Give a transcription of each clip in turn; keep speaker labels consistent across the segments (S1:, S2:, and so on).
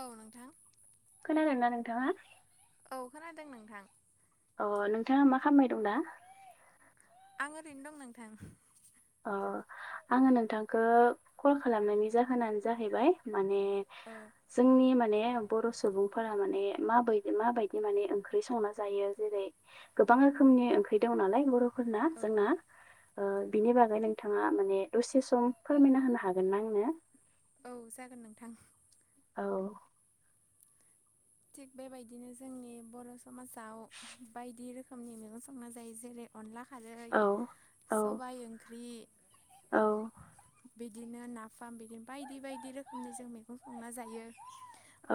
S1: औ नोंथां।
S2: खोनादोंना नोंथाङा?
S1: औ खोनादों नोंथां।
S2: अ नोंथाङा मा खामबाय दं दा?
S1: आं ओरैनो दं नोंथां।
S2: अ आङो नोंथांखो कल खालामनायनि जाहोनानो जाहैबाय माने
S1: औ
S2: जोंनि माने बर सुबुं फोरा माने माबायदि माबायदि माने ओंख्रि संना जायो जेरै गोबां रोखोमनि ओंख्रि दं नालाय बर'फोरना
S1: औ
S2: जोंना बिनि बागै नोंथाङा माने दसे सम फोरमायना होनो हागोन ना आंनो
S1: औ जागोन नोंथां
S2: औ
S1: थिग बेबायदिनो जोंनि बर समाजाव बायदि रोखोमनि मेगं संना जायो जेरै अनला खारै
S2: औ औ
S1: सबाय ओंख्रि
S2: औ
S1: बिदिनो नाफाम बिदिनो बायदि बायदि रोखोमनि जों मैगं संना जायो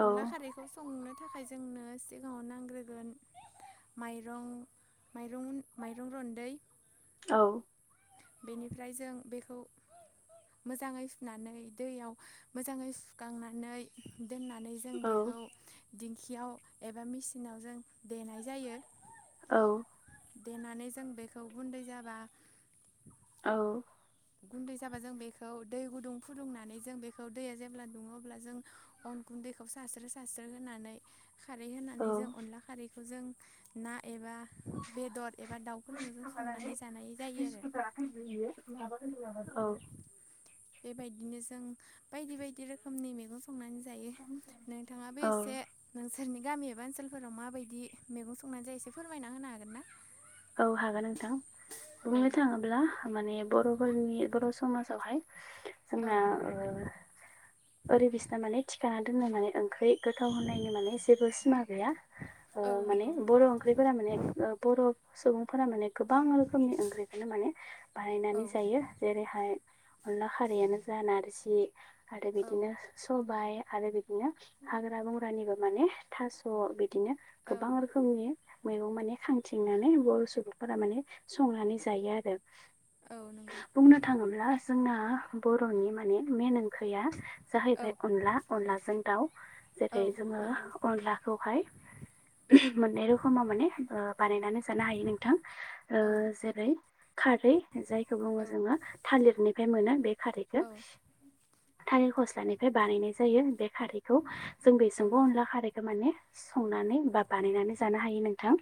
S2: औ
S1: अनला खारैखौ संनो थाखाय जोंनो सिगाङाव नांग्रोगोन माइरं माइरं माइरं रन्दै
S2: औ
S1: बेनिफ्राय जों बेखौ मोजाङै सुनानै दैयाव मोजाङै सुखांनानै दोननानै जों
S2: औ
S1: बेखौ दिंखियाव एबा मेसिनाव जों देनाय जायो
S2: औ
S1: देनानै जों बेखौ गुन्दै जाबा
S2: औ
S1: गुन्दै जाबा जों बेखौ दै गुदुं फुदुंनानै जों बेखौ दैया जेब्ला दुङो अब्ला जों अनखौ गुन्दैखौ सारस्रो सारस्रो होनानै खारै
S2: औ
S1: होनानै जों अनला खारैखौ जों ना एबा बेदर एबा दाउफोरजों जों संनानै जानाय जायो आरो
S2: औ
S1: बेबायदिनो जों बायदि बायदि रोखोमनि मैगं संनानै जायो नोंथाङाबो
S2: औ
S1: एसे नोंसोरनि गामि एबा ओनसोलफोराव माबायदि मेगं संनानै जायो एसे फोरमायना होनो हागोन ना
S2: औ हागोन नोंथां
S1: औ
S2: बुंनो थाङोब्ला माने बर'फोरनि बर' समाजावहाय
S1: औ
S2: जोंना ओ ओरैबिसना माने थिखाना दोनो माने ओंख्रि गोथाव होननायनि माने जेबो सिमा गैया
S1: औ
S2: माने
S1: नंगौ
S2: बर' ओंख्रिफोरा माने बर' सुबुंफोरा माने गोबां रोखोमनि ओंख्रिखौनो माने
S1: औ
S2: बाहानायनानै जायो जेरैहाय अनला खारैयानो जा नारजि आरो
S1: औ
S2: बिदिनो सबाय आरो बिदिनो हाग्रा बंग्रानिबो माने थास' बिदिनो
S1: औ
S2: गोबां रोखोमनि मैगं माने खांथिंनानै बर' सुबुंफोरा माने संनानै जायो आरो।
S1: औ नंगौ
S2: बुंनो थाङोब्ला जोंना बर'नि माने मेइन ओंख्रिया
S1: औ
S2: जाहैबाय अनला अनलाजों दाउ जेरै
S1: औ
S2: जोङो
S1: नंगौ
S2: अनलाखौहाय माननै रोखोमाव माने बानाय जानो हायो नोंथां जेरै खारै जायखौ
S1: औ
S2: बुङो जोङो थालिरनिफ्राय मोनो बे खारैखौ
S1: औ
S2: थालिर खस्लानिफ्राय बानायनाय जायो बे खारैखौ जों
S1: औ
S2: बेजोंबो
S1: नंगौ
S2: अनला खारैखौ माने संनानै बा बानायनानै जानो हायो नोंथां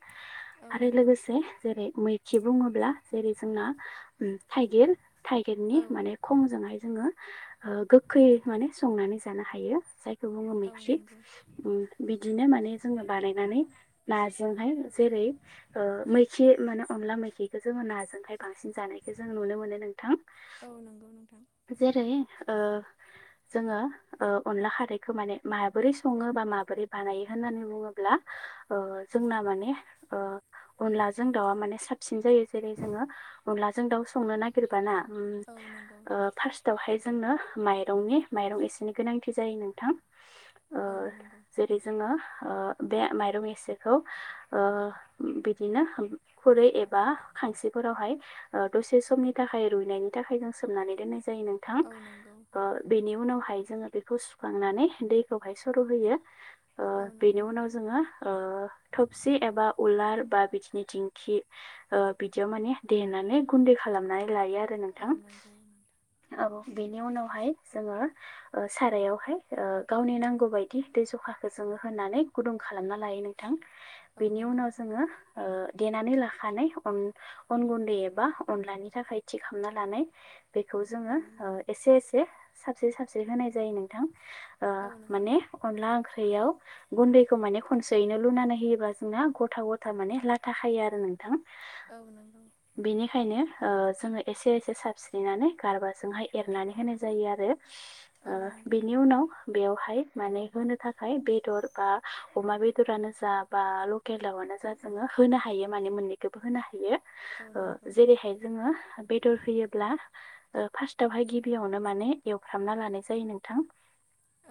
S1: औ
S2: आरो
S1: नंगौ
S2: लोगोसे जेरै मै बुङोब्ला जेरै जोंना थाइगिर
S1: औ
S2: थाइगिरनि माने खंजोंहाय जोङो ओ गोग्खै माने संनानै जानो हायो। जाय खौ बुङो
S1: औ
S2: मिख्रि
S1: नंगौ
S2: बिदिनो माने जोङो बानायनानै नाजोंहाय जेरै ओ मैखि माने अनला मैखिखो जोङो नाजोंहाय बांसिन जानायखौ जों नुनो मोनो नोंथां।
S1: औ नंगौ नोंथां।
S2: जेरै ओ जोङो ओ अनला खारैखो माने माहाबोरै सङो बा माबोरै बानायो होननानै बुङोब्ला ओ जोंना माने ओ अनलाजों दाउआ माने साबसिन जायो जेरै जोङो अनलाजों दाउ संनो नायगिरबा ना उम
S1: औ नंगौ
S2: ओ फार्स्टावहाय जोंनो माइरंनि माइरं एसेनि गोनांथि जायो नोंथां। ओ
S1: औ नंगौ
S2: जेरै जोङो ओ बे माइरं एसेखौ ओ उम बिदिनो [unintelligible] खुरै एबा खांसिफोरावहाय ओ दसे समनि थाखाय रुइनायनि थाखाय जों सोमनानै दोननाय जायो नोंथां।
S1: औ नंगौ
S2: ओ बेनि उनाव हाय जोंङो बेखौ सुखांनानै दैखौहाय सर' होयो। ओ
S1: औ
S2: बेनि
S1: नंगौ
S2: उनाव
S1: नोंथां
S2: जोङो ओ थबसि एबा उलार बा बिदिनि दिंखि ओ बिदियाव माने देनानै गुन्दै खालामनानै लायो आ रो नोंथां
S1: औ नंगौ नोंथां
S2: औ बेनि उनावहाय जोङो ओ सारायावहाय ओ गावनि नांगौ बायदि दै जखाखो जों ङो होनानै गुदुं खालाम लायो नोंथां
S1: औ
S2: बेनि
S1: नंगौ
S2: उनाव ज जोङो ओ देनानै लाखानाय अन अन गुन्दै एबा अनलानि थाखाय थि खामना लानाय बेखौ
S1: औ नंगौ
S2: जोङो ओ
S1: औ
S2: एसे एसे साबसे साबसे होनाय जायो नोंथां। ओ
S1: नंगौ
S2: माने अनला ओंख ख्रियाव गुन्दैखौ माने खनसेयैनो लुनानै होयोबा जोंना ग'था ग'था माने लाथा खायो आरो नोंथां।
S1: औ नंगौ
S2: बेनिखायनो ओ जोङो एसे एसे साबस्रिनानै गारबाजोंहाय एरनानै होनाय जायो आरो।
S1: औ
S2: ओ
S1: नंगौ
S2: बिनि
S1: नोंथां
S2: उनाव बेवहाय माने होनो थाखाय बेदर बा अमा बेदरानो जा बा ल केल दाउआनो जा जोङो होनो हायो माने मोन्नैखोबो होनो हायो।
S1: औ
S2: ओ
S1: नंगौ
S2: जेरैहाय जोङो बेदर होयोब्ला ओ फार्स्टावहाय गिबियावनो माने एवफ्रामना लानाय जायो नोंथां।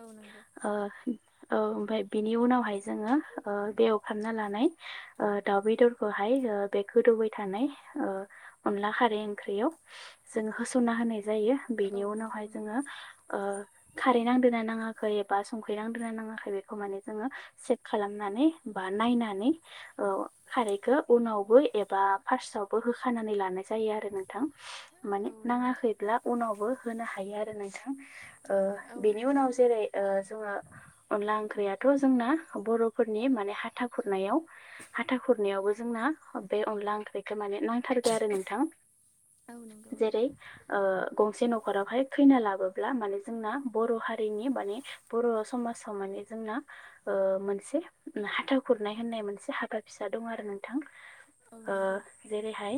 S1: औ नंगौ
S2: ओ औ ओमफाय बिनि उनावहाय जोङो ओ बेवहा [unintelligible] लानाय ओ दाउ बेदरखोहाय ओ बे गोदौबाय थानाय ओ अनला खारै बे ओंख्रियाव जों होसनना होनाय ज जायो
S1: औ
S2: बेनि
S1: नंगौ
S2: उनावहाय जोङो
S1: नोंथां
S2: ओ खारै नांदोंना नाङा नाङाखै एबा संख्रै नांदोंना नाङासै बेखौ माने जोङो सेक खालामनानै बा नायनानै ओ खारैखो उनावबो एबा फार्सावबो होखानानै लानाय जाय यो आरो नोंथां माने
S1: औ नंगौ
S2: नाङाखैब्ला उनावबो होनो हायो आरो नोंथां। ओ
S1: औ
S2: बेनि
S1: नंगौ
S2: उनाव जेरै ओ जोङो अनला ओंख्रिया थ' जोंना बर'फोरनि माने हा था खुरनायाव हाथा खुरनायावबो जोंना ओ बे अनला ओंख्रिखो माने नां थारगोन आरो नोंथां
S1: औ नंगौ
S2: जेरै
S1: नोंथां
S2: ओ गंसे न'खरावहाय खैना लाबोब्ला माने जोंना बर' हारिनि माने बर' समाजाव माने [unintelligible] जोंना ओ मोनसे [unintelligible] खुरनाय होननाय मोनसे हाबा फिसा दं आरो नोंथां
S1: औ
S2: ओ
S1: नंगौ
S2: जेरैहाय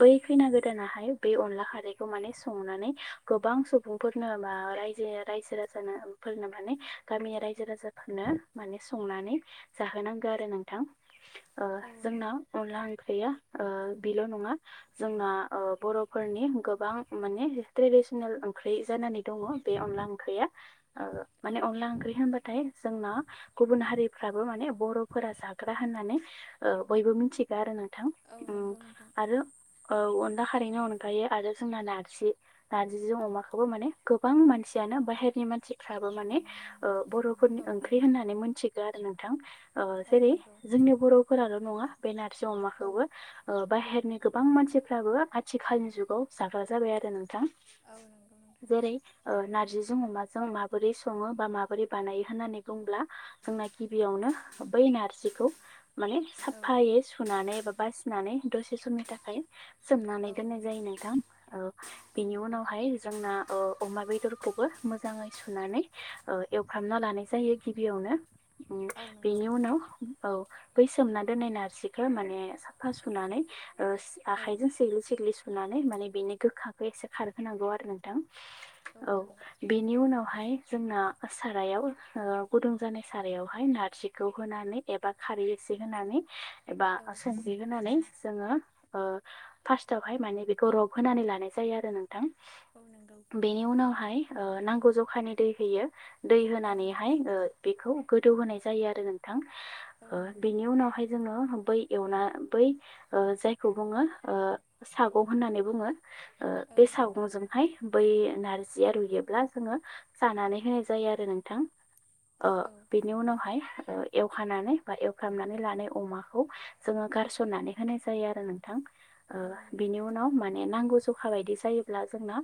S2: बै खैना गोदानाहाय बे अनला खारैखौ माने संनानै गोबां सुबुंफोरनो बा रायजोयो रायजो राजानो फोरनो माने गामिया रायजो राजा फोरनो माने संनानै जाहोनांगो आरो नोंथां ओ
S1: औ
S2: जोंना अनला ओं ख्रैया ओ बेल' नङा जोंना ओ बर'फोरनि गोबां मानेे ट्रेबि डिसनेल ओंख्रि जानानै दङ बे अनला ओंख्रिया। ओ माने अनला ओंख्रि होनबाथाय जोंना गुबुन हारिफ्राबो माने बर' फोर जाग्रा होननानै ओ बयबो मिथिगौ आरो नों
S1: औ नंगौ नोंथां।
S2: औ अनला खारैनो अनगायो आरो जोंना नारजि नारजिजों अमाखौबो माने गोबां मानसियानो बाहेरनि मानसिफ्रो माने बर'फोरनि
S1: औ
S2: ओंख्रि होननानै मोनथिगौ आरो नोंथां ओ
S1: औ
S2: जेरै
S1: नंगौ
S2: जोंनि बर'फोराल' नङा बे नारजि
S1: औ
S2: अमाखौबो ओ बाहेर नि गोबां मानसिफ्राबो आथिखालनि जुगाव जाग्रा जाबाय आरो नों नोंथां
S1: औ नंगौ नोंथां
S2: जेरै ओ नार्जि जों अमाजों माबोरै सङो बा माबोरै बानायो होननानै बुंओब्ला जोंना गिबियावनो बै नारजिखौ माने
S1: औ
S2: साफायै सुनानै बा बासिनानै दसे समनि थाखाय सोमनानै
S1: औ नंगौ औ नंगौ औ नंगौ औ
S2: दोननाय
S1: नंगौ
S2: जायो नोंथां
S1: औ
S2: बेनि उनावहाय जोंना ओ अमा बेदर खौबो मोजाङै सुनानैओ एवफ्रामना लानाय जायो गिबियावनो
S1: औ नंगौ औ
S2: [unintelligible] बेनि उनाव औ बै सोमना दोननाय नारजिखौ माने साफा सुनानै ओ आखाइजों सिेग्लि सिग्लि सुनानै माने बेनो गोखाखौ एसे खारहोनांगौ आरो नोंथां। औ बेनि उनावहाय जोंना सारायाव ओ गुदुं जानाय सारायावहाय नारजि खौ होनानै एबा खारै एसे होनानै एबा संख्रि होनानै जोङो ओ फार्स्टावहाय माने बेखौ रब होनानै लानाय जायो आरो नोंथां।
S1: नंगौ
S2: बेनि उनावहाय ओ नांगौ जखानि दै होयो। दै
S1: औ
S2: होनानैहाय ओ बेखौ गोदौ होनाय जायो आरो। नोंथां
S1: औ
S2: ओ
S1: नंगौ
S2: बेनि उनावहाय जोङो बै एवना बै ओ जायखौ बुङो जों ओ सागं होननानै बुङोओ बे सागंजोंहाय बै नारजिया रुयोब्ला जोङो सानानै होनाय जायो आरो नोंथां। ओ बेनि उनावहाय ओ एवखानानै बा एवफ्रामनानै लानाय अमाखौ जोङो गारसननानै होनाय जायो आरो नोंथां। ओ
S1: औ
S2: बिनि उनाव माने नांगौ ज आ बायदि जायोब्ला जोंनाओ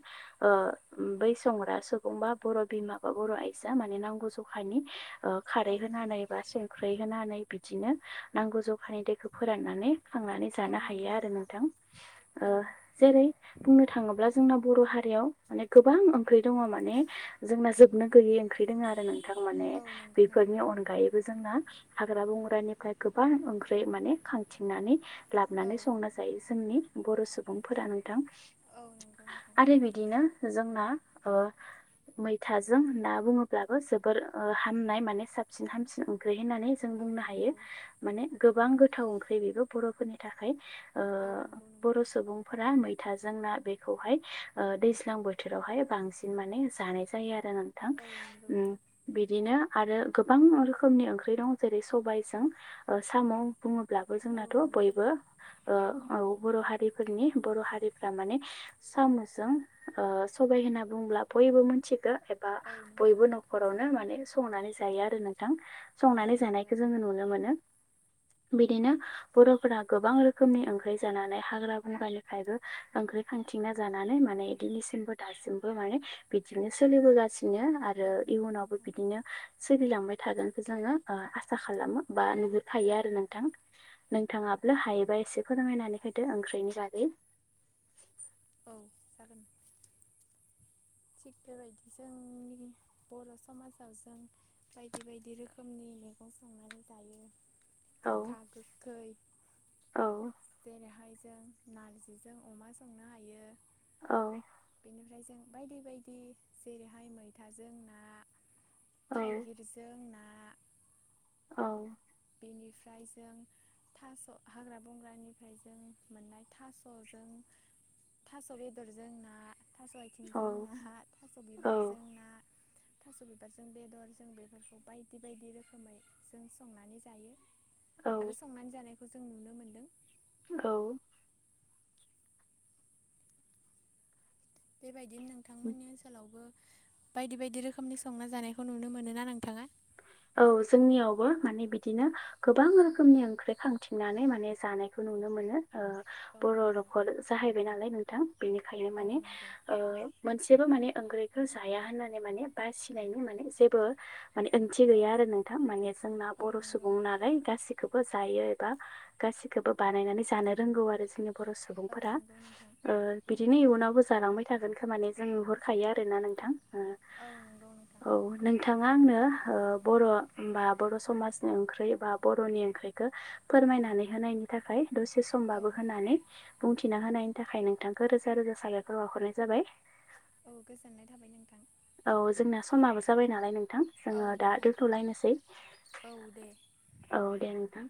S2: बै संग्रा सुबुं बा बर' बिमा बा बर' आइजोआ मने नांगौ जखानि ओ खारै
S1: नंगौ
S2: होनानै ख्रैहोनानै बिदिनो नांगौ जखानि दैखौ फोराननानै खांनानै
S1: औ
S2: जानो हायो
S1: नंगौ
S2: आरो नोंथां ओ
S1: औ
S2: जेरै बुंनो थाङोब्ला जोंना बर' हारि याव माने गोबां ओंख्रि दङ माने जोंना जोबनो गैयिै ओंख्रि दङ आरो नों नोथां माने
S1: औ नंगौ नोंथां
S2: बेफोरनि अनगायै जोंना हाग्रा बंग्रानिफ्राय गोबां ओंख्रि माने खांथिंनानै
S1: औ
S2: लाबोनानै संना जायो जोंनि बर' सुबुंफोरा नोंथां।
S1: औ नंगौ नोंथां
S2: आरो बिदिनो जोंना ओ मैथाजों ना बुङोब्लाबो जोबोरओ हामनाय माने साबसिन हामसिन ओंख्रि होननानै जों
S1: औ
S2: बुंनो हायो
S1: नंगौ
S2: माने गोबां गोथाव ओंख्रि बेबो बर'फोरनि थाखाय। ओ
S1: औ नंगौ
S2: बर
S1: नोंथां
S2: सुबुंफोरा मैथाजों जोंना बेखौहाय ओ दैज्लां बोथोरावहाय बांसिन माने जानाय जायो आरो। नोंथां
S1: औ नंगौ
S2: बिदिनो आरो गोबां रोखोम रोखोमनि ओंख्रि दं जेरै सबायजों साम बुङो ब्लाबो
S1: औ
S2: जोंनाथ
S1: नंगौ
S2: बयबो ओ औ बर हारिफोनि बर हारिफ्रा माने सामुजों ओ सबाय होनना बुंब्ला बयबो मोनथि गौ एबा
S1: औ नंगौ
S2: बयबो नखरावनो माने संनानै जायो आरो नोंथां
S1: औ
S2: संनानै
S1: नंगौ
S2: जानायखौ जोङो नुनो मोनो। बिदिनो बरफोरा गोबां रोखोमनि ओंख्रि जानानै हाग्रा बंग्रानिफ्रायबो ओं ओंखैखांथिंना जानानै माने बिदिनिसिमबो दासिमबो माने बिदिनो सोलिबोगासिनो दिनो आरो
S1: औ नंगौ
S2: इयुनावबो
S1: नोंथां
S2: बिदिनो सोलिलांबाय थागोनखौ जोङो ओ आसा खालामो बा नुहुरखायो
S1: औ
S2: आरो नोंथां नोंथाङाब्ला हायोबाय एसे फोरमायनानै होदो ओंख्रिनि बागै
S1: औ जागोन थिग बेबायदि जोंनि बर समाजाव जों बायदि बायदि रोखोमनि मैगं संनानै जायो
S2: औ
S1: गोखा गोखै
S2: औ
S1: जेरैहाय जों नारजिजों अमा संनो हायो
S2: औ
S1: बेनिफ्राय जों बायदि बायदि जेरैहाय मैथाजों ना
S2: औ
S1: थाइगिरजों ना
S2: औ
S1: बेनिफ्राय जों थास हाग्रा बंग्रानिफ्राय जों मोननाय थासजों थास बेदरजों ना थास आथिंजों
S2: औ
S1: ना थास
S2: औ
S1: बिबारजों ना थास बिबारजों बेदर जों बेफोरखौ बायदि बायदि रोखोमै जों संनानै ज आरो
S2: औ
S1: संनानै जानायखौ जों नुनो मोनदों
S2: औ
S1: बेबायदिनो
S2: औ
S1: नोंथांमोननि ओनसोलावबो बायदि बायदि रोखोमनि संना जानायखौ नुनो मोनो ना नोंथाङा
S2: औ जोंनियावबो माने बिदिनो गोबां रोखोमनि ओंख्रि खांथिंनानै माने जानायखौ नुनो मोनो
S1: औ
S2: बर
S1: नंगौ
S2: नखर जाहैबाय नालाय नोंथां बेनिखायनो
S1: औ
S2: माने
S1: नंगौ
S2: ओ मोनसेबो माने ओंख्रैखौ जाया होननानै माने बासिनायनि माने जेबो माने ओ थि
S1: औ
S2: गैया आरो नोंथां माने जोंना बर
S1: नंगौ
S2: सुबुं नालाय गासि खौबो जायो एबा गासिखौबो बानायनानै जानो रोंगौ आरो जोंनि बर
S1: औ
S2: सुबुंफोरा
S1: नंगौ नोंथां
S2: ओ बिदिनो इयुनावबो जालांबाय थागोन खोमा माने जों नुहुर खायो आरो ना नोंथां
S1: औ नंगौ नोंथां
S2: औ नोंथां आंनो ओ बर बा बर समाजनि ओंख्रि बा बरनि ओंख्रिखौ फोरमायनानै होनायनि थाखाय दसे
S1: औ
S2: समबाबो होननानै बुंथिना होनायनि थाखाय नोंथांखौ रोजा रोजा साबायखर बहरनाय जाबाय
S1: औ गोजोननाय थाबाय नोंथां
S2: औ जोंना समाबो जाबाय नालाय नोंथां
S1: औ
S2: जोङो दा
S1: नोंथां
S2: दोन्थलायनोसै
S1: औ दे
S2: औ दे नोंथां